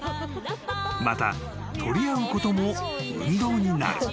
［また取り合うことも運動になる］